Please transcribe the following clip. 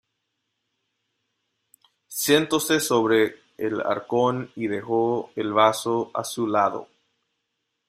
sentóse sobre el arcón, y dejó el vaso a su lado: